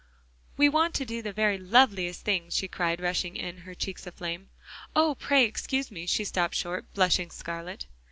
"We want to do the very loveliest thing!" she cried, rushing in, her cheeks aflame. "Oh! pray excuse me." She stopped short, blushing scarlet.